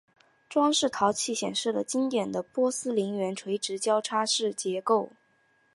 装饰陶器显示了经典的波斯园林垂直交叉式结构。